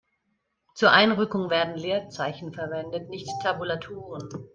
Zur Einrückung werden Leerzeichen verwendet, nicht Tabulatoren.